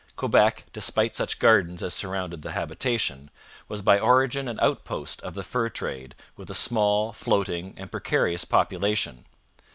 Quebec, despite such gardens as surrounded the habitation, was by origin an outpost of the fur trade, with a small, floating, and precarious population.